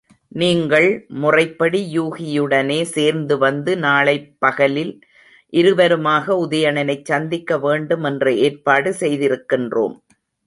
நீங்கள் முறைப்படி யூகியுடனே சேர்ந்துவந்து, நாளைப் பகலில் இருவருமாக உதயணனைச் சந்திக்க வேண்டும் என்ற ஏற்பாடு செய்திருக்கின்றோம்.